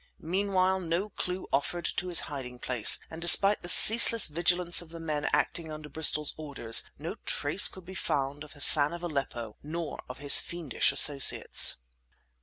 Meanwhile, no clue offered to his hiding place, and despite the ceaseless vigilance of the men acting under Bristol's orders, no trace could be found of Hassan of Aleppo nor of his fiendish associates.